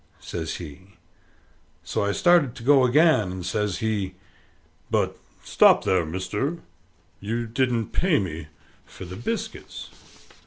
says he. So I started to go again, and says he, "But stop there, mister: you didn't pay me for the biscuits."